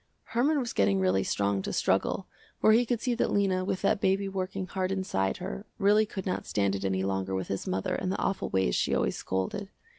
Herman was getting really strong to struggle, for he could see that Lena with that baby working hard inside her, really could not stand it any longer with his mother and the awful ways she always scolded.